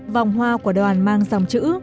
vòng hoa của đoàn mang dòng chữ